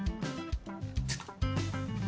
ちょっと。